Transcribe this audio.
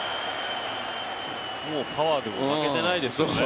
もうパワーでも負けてないですよね。